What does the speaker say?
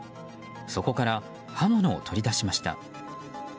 そこから刃物を取り出しました。